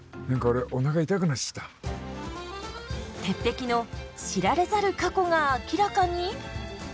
鉄壁の知られざる過去が明らかに？